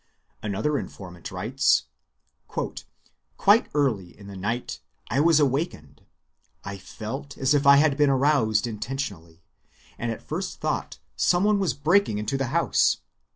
Another informant writes:— "Quite early in the night I was awakened.... I felt as if I had been aroused intentionally, and at first thought some one was breaking into the house....